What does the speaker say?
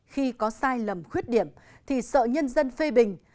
khi có sai lầm khuyết điểm thì sợ nhân dân phê bình